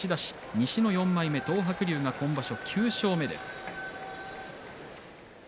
西の４枚目の東白龍が今場所、９勝目です。